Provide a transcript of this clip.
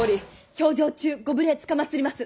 評定中ご無礼つかまつります